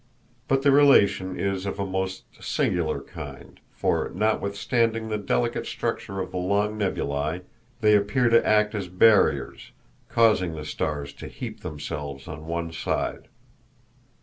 But the relation is of a most singular kind, for notwithstanding the delicate structure of the long nebulæ they appear to act as barriers, causing the stars to heap themselves on one side.